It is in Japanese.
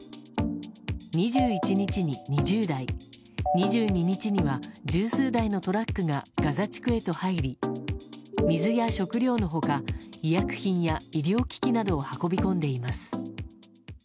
２１日に２０台２２日には十数台のトラックがガザ地区へと入り水や食料の他医薬品や医療機器などを運び込んでいます。